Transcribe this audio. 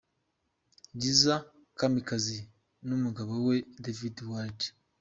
Liza Kamikazi n’umugabo we David Wald.